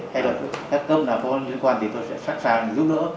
hay là hết cấp nào phó nhân dân quan thì tôi sẽ sẵn sàng giúp đỡ